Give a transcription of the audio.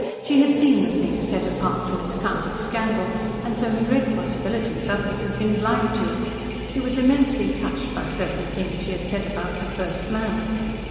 She had seen the thing set apart from its county scandal, and so had read possibilities others had been blind to. He was immensely touched by certain things she said about the First Man.